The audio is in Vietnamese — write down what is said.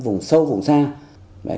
vùng sâu vùng xa